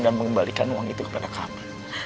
dan mengembalikan uang itu kepada kami